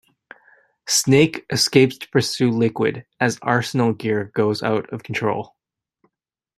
Snake escapes to pursue Liquid, as Arsenal Gear goes out of control.